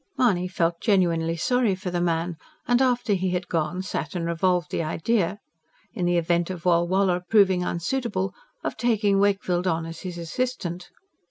Mahony felt genuinely sorry for the man; and after he had gone sat and revolved the idea, in the event of Walwala proving unsuitable, of taking Wakefield on as his assistant.